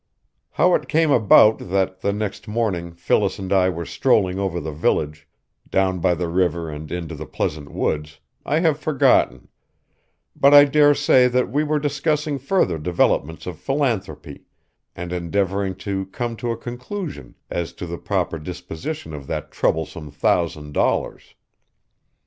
How it came about that the next morning Phyllis and I were strolling over the village, down by the river and into the pleasant woods, I have forgotten, but I dare say that we were discussing further developments of philanthropy, and endeavoring to come to a conclusion as to the proper disposition of that troublesome thousand dollars.